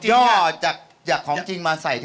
ย่อจากของจริงมาใส่ที่นี่